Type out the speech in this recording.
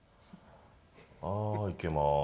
はーいいけます。